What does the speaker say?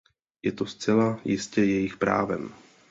Je to zcela jistě jejich právem.